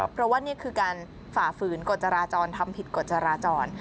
เพราะว่านี่คือการฝ่าฝืนกฎจราจรทำผิดกฎจราจร